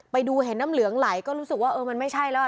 ไปดูเห็นน้ำเหลืองไหลก็รู้สึกว่าเออมันไม่ใช่แล้ว